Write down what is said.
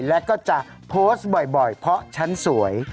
และก็จะโพสต์บ่อยเพราะฉันสวย